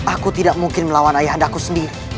aku tidak mungkin melawan ayahandaku sendiri